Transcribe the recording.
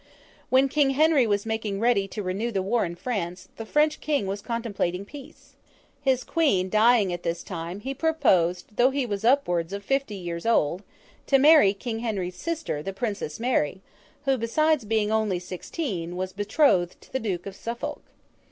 When King Henry was making ready to renew the war in France, the French King was contemplating peace. His queen, dying at this time, he proposed, though he was upwards of fifty years old, to marry King Henry's sister, the Princess Mary, who, besides being only sixteen, was betrothed to the Duke of Suffolk.